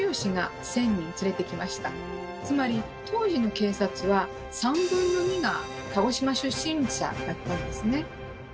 つまり当時の警察は３分の２が鹿児島出身者だったんですね。